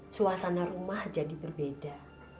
suasana rumah jadi berbeda